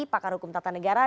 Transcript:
pakar hukum tata negara